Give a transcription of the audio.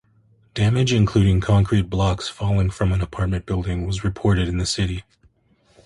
Damage including concrete blocks falling from an apartment building was reported in the city.